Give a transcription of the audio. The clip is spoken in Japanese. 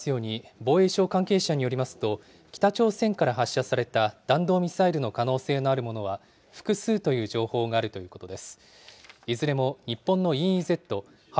防衛省関係者によりますと、北朝鮮から発射された弾道ミサイルの可能性のあるものは、複数という情報があるということです。